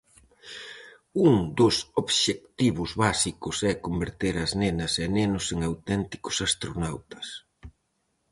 Un dos obxectivos básicos é "converter ás nenas e nenos en auténticos astronautas".